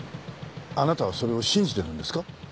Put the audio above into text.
あなたはそれを信じてるんですか？